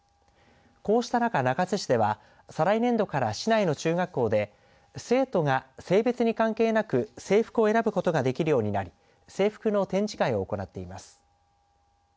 こうした中、中津市では再来年度から市内の中学校で生徒が性別に関係なく制服を選ぶことができるようになり制服の展示会を行っています。